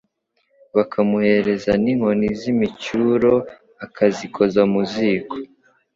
bakamuhereza n’inkoni z’imicyuro akazikoza mu ziko